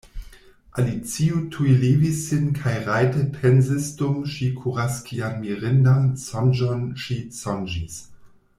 Alicio tuj levis sin kaj rajte pensisdum ŝi kuraskian mirindan sonĝon ŝi sonĝis!